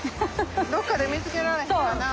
どっかで見つけられへんかなと。